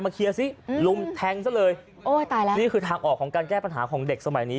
เคลียร์สิลุมแทงซะเลยโอ้ยตายแล้วนี่คือทางออกของการแก้ปัญหาของเด็กสมัยนี้